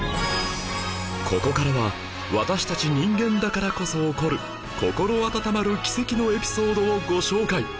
ここからは私たち人間だからこそ起こる心温まる奇跡のエピソードをご紹介